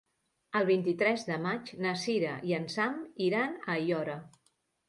El vint-i-tres de maig na Sira i en Sam iran a Aiora.